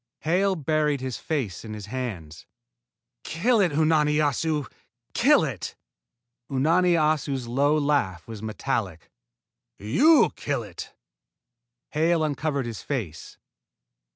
Hale buried his face in his hands. "Kill it, Unani Assu! Kill it!" Unani Assu's low laugh was metallic. "You kill it." Hale uncovered his face.